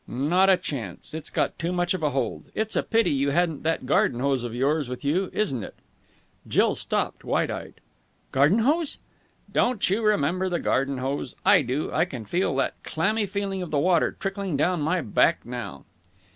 "Not a chance. It's got too much of a hold. It's a pity you hadn't that garden hose of yours with you, isn't it?" Jill stopped, wide eyed. "Garden hose?" "Don't you remember the garden hose? I do! I can feel that clammy feeling of the water trickling down my back now!"